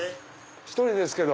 １人ですけど。